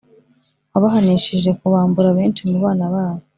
wabahanishije kubambura benshi mu bana babo,